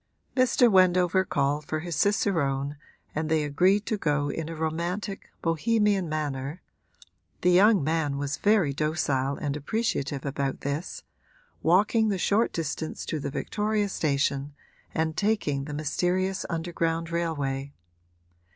Mr. Wendover called for his cicerone and they agreed to go in a romantic, Bohemian manner (the young man was very docile and appreciative about this), walking the short distance to the Victoria station and taking the mysterious underground railway.